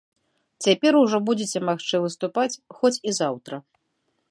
Цяпер ужо будзеце магчы выступаць хоць і заўтра.